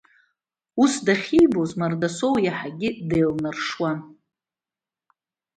Ус дахьибоз, Мардасоу иаҳагьы деиланаршуан.